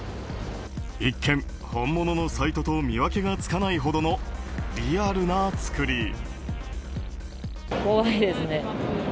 一見、本物のサイトと見分けがつかないほどのリアルな作り。